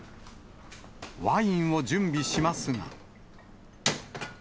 ワインを準備しますが。